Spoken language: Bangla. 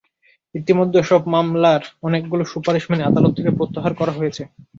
ইতিমধ্যে এসব মামলার অনেকগুলো সুপারিশ মেনে আদালত থেকে প্রত্যাহার করা হয়েছে।